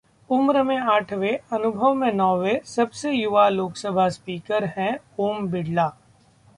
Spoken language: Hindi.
उम्र में आठवें, अनुभव में नौवें सबसे 'युवा' लोकसभा स्पीकर हैं ओम बिड़ला